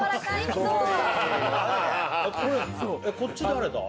こっち誰だ？